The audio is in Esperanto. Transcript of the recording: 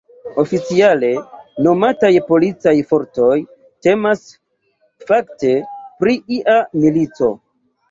Oficiale nomataj "policaj fortoj", temas fakte pri ia milico.